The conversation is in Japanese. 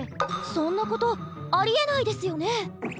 そんなことありえないですよね？